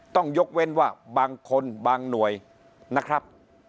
ต้องยกเว้นว่าบางคนบางหน่วยนะครับ